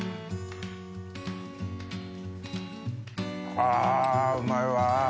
あうまいわ。